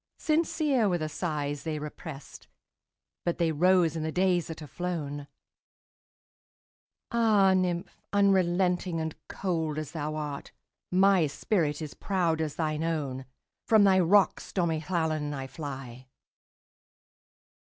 Sincere were the sighs they represt, But they rose in the days that are flown! Ah, nymph! unrelenting and cold as thou art, My spirit is proud as thine own! From thy rocks, stormy Llannon, I fly.